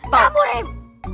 gak mau rem